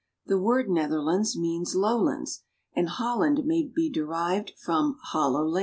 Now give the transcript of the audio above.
The word " Netherlands " means lowlands, and Holland may be derived from hollow land.